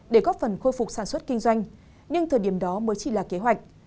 để góp phần khôi phục sản xuất kinh doanh nhưng thời điểm đó mới chỉ là kế hoạch